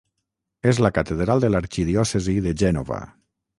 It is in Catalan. És la catedral de l'arxidiòcesi de Gènova.